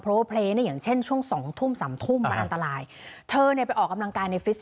โพลเฟ้งอย่างเช่นช่วงสอง